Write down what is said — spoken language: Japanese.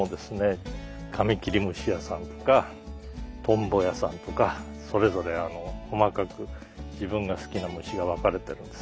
カミキリムシ屋さんとかトンボ屋さんとかそれぞれ細かく自分が好きな虫が分かれてるんです。